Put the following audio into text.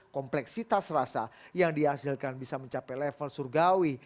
kompleksitas rasa yang dihasilkan bisa mencapai level surgawi